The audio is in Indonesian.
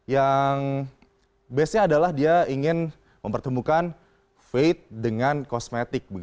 yang base nya adalah dia ingin mempertemukan faith dengan kosmetik